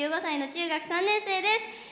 １５歳の中学３年生です